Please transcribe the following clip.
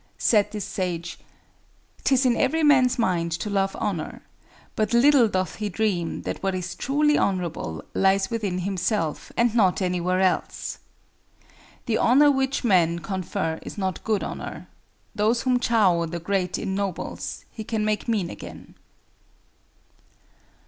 Said this sage, "'Tis in every man's mind to love honor: but little doth he dream that what is truly honorable lies within himself and not anywhere else. The honor which men confer is not good honor. Those whom Châo the Great ennobles, he can make mean again."